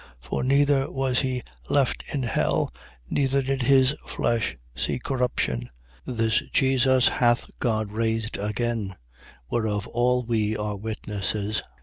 For neither was he left in hell: neither did his flesh see corruption. 2:32. This Jesus hath God raised again, whereof all we are witnesses. 2:33.